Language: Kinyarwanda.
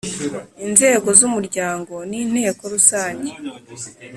Inzego z Umuryango ni Inteko Rusange